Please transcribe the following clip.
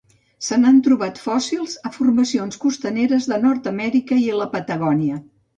Se n'han trobat fòssils a formacions costaneres de Nord-amèrica i la Patagònia.